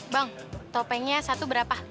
bang topengnya satu berapa